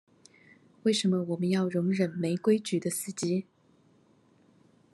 為什麼我們要容忍沒規矩的司機